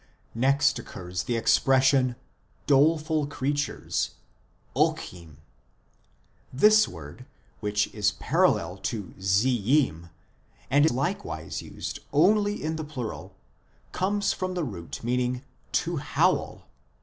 Next occurs the expression " doleful creatures," Ochim. This word, which is parallel to Ziyyim and is likewise used only in the plural, comes from the root meaning " to howl."